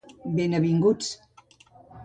Ben avinguts.